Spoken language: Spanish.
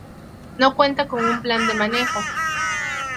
No cuenta con un Plan de Manejo.